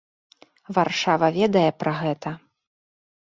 Варшава ведае пра гэта.